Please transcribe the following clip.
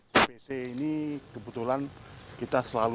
dpc ini kebetulan kita selalu